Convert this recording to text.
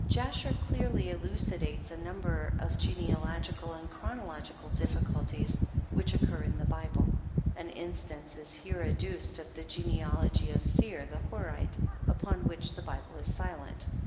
Jasher clearly elucidates a number of genealogical and chronological difficulties, which occur in the Bible ; an instance is here adduced of the genealogy of Seir, the Horite, upon which the Bible is silent.